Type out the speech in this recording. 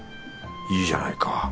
いいじゃないか